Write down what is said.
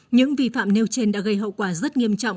những vi phạm nêu trên đã gây hậu quả rất nghiêm trọng